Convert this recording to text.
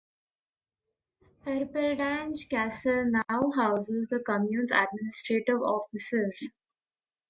Erpeldange Castle now houses the commune's administrative offices.